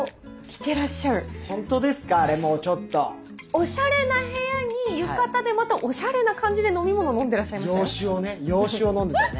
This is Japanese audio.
おしゃれな部屋に浴衣でまたおしゃれな感じで飲み物飲んでらっしゃいましたね。